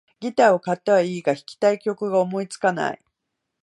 ギターを買ったはいいが、弾きたい曲が思いつかない